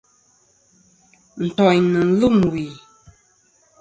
Ntòyn nɨ̀n lûm wì.